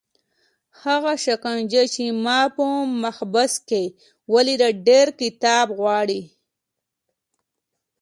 هغه شکنجه چې ما په محبس کې ولیده ډېر کتاب غواړي.